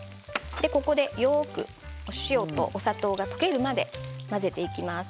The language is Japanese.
ここでよくお塩とお砂糖が溶けるまで混ぜていきます。